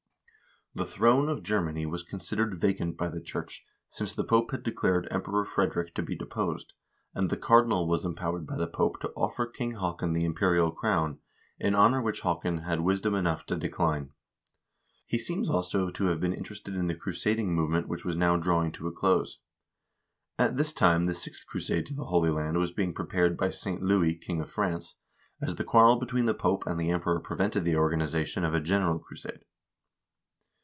The throne of Germany was considered vacant by the church, since the Pope had declared Emperor Frederick to be deposed, and the cardinal was empowered by the Pope to offer King Haakon the imperial crown, an honor which Haakon had wisdom enough to decline. He seems also to have been interested in the crusading movement which was now drawing to a close. At this time the sixth crusade to the Holy Land was being prepared by St. Louis, king of France, as the quarrel between the Pope and the Emperor prevented the organization of a general crusade.